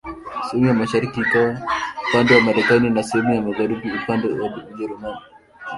Sehemu ya mashariki ikawa upande wa Marekani na sehemu ya magharibi upande wa Ujerumani.